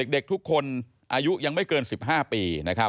เด็กทุกคนอายุยังไม่เกิน๑๕ปี